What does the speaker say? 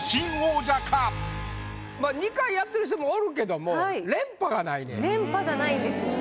あ２回やってる人もおるけども連覇がないんですよね。